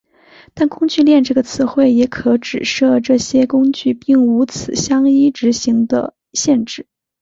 但工具链这个词汇也可指涉这些工具并无此相依执行的限制。